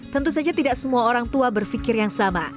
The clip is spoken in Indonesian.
tentu saja tidak semua orang tua berpikir yang sama